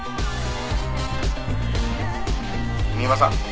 「三馬さん？